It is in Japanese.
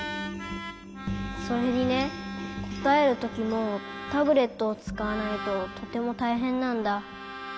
それにねこたえるときもタブレットをつかわないととてもたいへんなんだ。